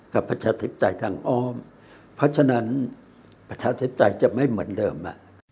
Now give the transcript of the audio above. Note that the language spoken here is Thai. ประชาธิปไตยทางอ้อมเพราะฉะนั้นประชาธิปไตยจะไม่เหมือนเดิม